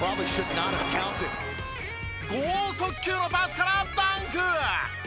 豪速球のパスからダンク！